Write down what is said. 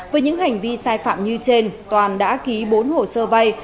với những hành vi sai phạm như trên toàn đã ký bốn hồ sơ vay